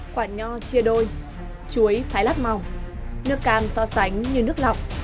quả nho chia đôi chuối thái lát màu nước can so sánh như nước lọc